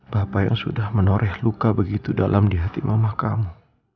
bapak yang sudah menoreh luka begitu dalam di hati mama kamu